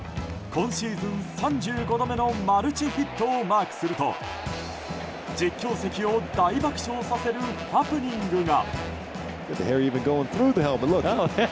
今シーズン３５度目のマルチヒットをマークすると実況席を大爆笑させるハプニングが。